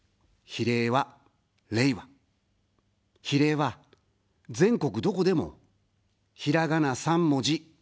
比例は、全国どこでも、ひらがな３文字。